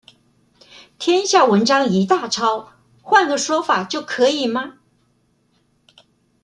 天下文章一大抄，換個說法就可以嗎？